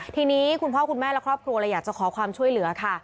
ทีนี้คุณพ่อคุณแม่และครอบครัวเลยอยากจะขอความช่วยเหลือค่ะ